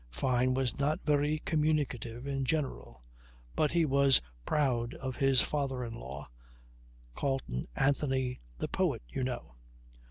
Fyne was not very communicative in general, but he was proud of his father in law "Carleon Anthony, the poet, you know."